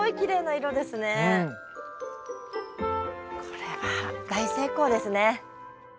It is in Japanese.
これは大成功ですね。